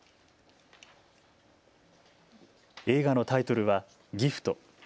映画のタイトルはギフト。